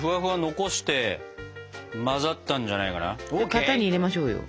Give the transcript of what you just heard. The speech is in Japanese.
型に入れましょうよ。